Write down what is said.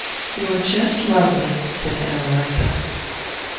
"You're jest lovely," said Ann Eliza.